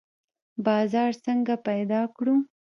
بازار څنګه پیدا کړو؟